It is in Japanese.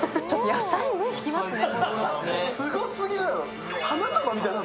野菜、目引きますね。